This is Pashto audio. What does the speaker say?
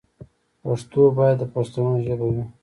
پښتو باید د پښتنو ژبه وي.